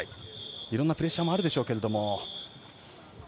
いろんなプレッシャーもあるでしょうけれども。